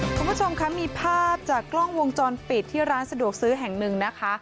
คุณผู้ชมคะมีภาพจากกล้องวงจรปิดที่ร้านสะดวกซื้อแห่งหนึ่งนะคะ